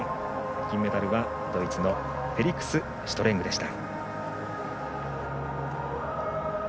金メダルはドイツのフェリクス・シュトレングでした。